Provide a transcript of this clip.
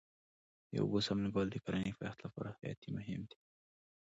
د اوبو سم لګول د کرنې د پایښت لپاره حیاتي مهم دی.